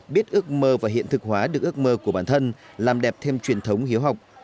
biết ước mơ và hiện thực hóa được ước mơ của bản thân làm đẹp thêm truyền thống hiếu học